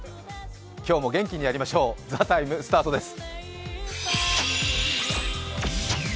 今日も元気にやりましょう「ＴＨＥＴＩＭＥ，」スタートです。